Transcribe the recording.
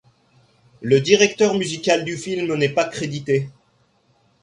Le directeur musical du film n'est pas crédité.